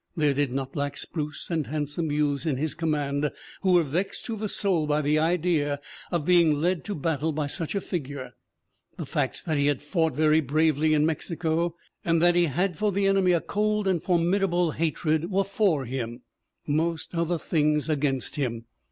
There did not lack spruce and handsome youths in his command who were vexed to the soul by the idea of being led to battle by such a figure. The facts that he had fought very bravely in Mexico, and that he had for the enemy a cold and formidable hatred were for him ; most other things against him.